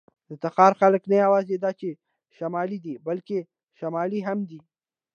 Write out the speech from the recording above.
د تخار خلک نه یواځې دا چې شمالي دي، بلکې شمالي هم دي.